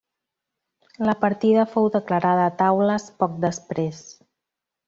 La partida fou declarada taules poc després.